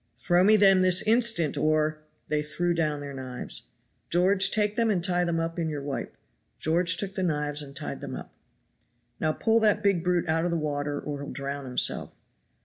"Throw me them this instant, or " They threw down their knives. "George, take them and tie them up in your wipe." George took the knives and tied them up. "Now pull that big brute out of the water or he'll drown himself."